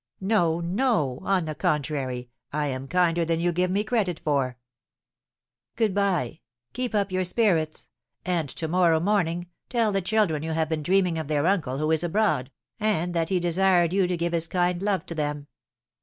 "No, no; on the contrary, I am kinder than you give me credit for." "Good bye; keep up your spirits; and to morrow morning tell the children you have been dreaming of their uncle who is abroad, and that he desired you to give his kind love to them.